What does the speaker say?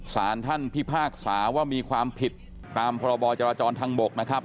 สารท่านพิพากษาว่ามีความผิดตามพรบจราจรทางบกนะครับ